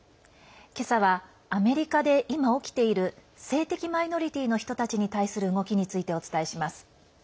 今朝はアメリカで今、起きている性的マイノリティーの人たちに対する動きについてお伝えします。